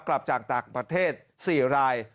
กลับจากต่างประเทศ๔ราย